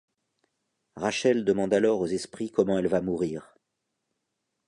Rachel demande alors aux esprits comment elle va mourir.